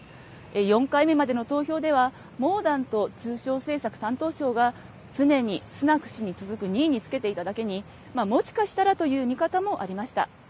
４回目までの投票ではモーダント通商政策担当相が常にスナク氏に続く２位につけていただけにまあ、もしかしたらという見方もありました。